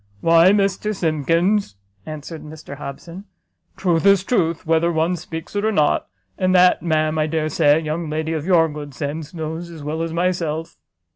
"Why, Mr Simkins," answered Mr Hobson, "truth is truth, whether one speaks it or not; and that, ma'am, I dare say, a young lady of your good sense knows as well as myself."